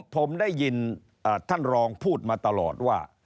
ผมได้ยินท่านรองพูดมาตลอดว่า